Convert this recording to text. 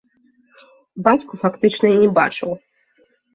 Бацьку фактычна і не бачыў.